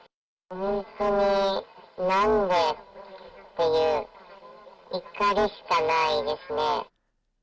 本当に、なんでっていう、怒りしかないですね。